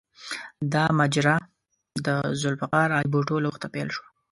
دا ماجرا د ذوالفقار علي بوټو له وخته پیل شوه.